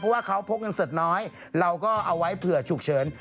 เพราะว่าเขาพกเงินสดน้อยเราก็เอาไว้เผื่อฉุกเฉิน